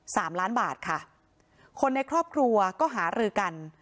สามล้านบาทค่ะคนในครอบครัวก็หารือกัน